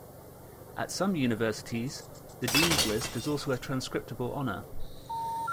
At some universities, the dean's list is also a transcriptable honor.